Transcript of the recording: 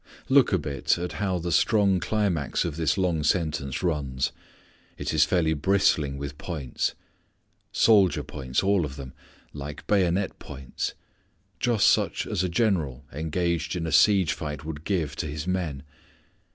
Look a bit at how the strong climax of this long sentence runs. It is fairly bristling with points. Soldier points all of them; like bayonet points. Just such as a general engaged in a siege fight would give to his men.